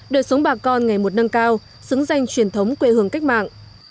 đời sống bà con ngày một nâng cao xứng danh truyền thống quê hương cách mạng